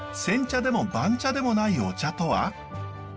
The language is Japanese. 煎茶でも番茶でもないお茶とは？